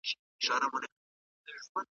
تاسو کله د خپل کار راپور ورکوئ؟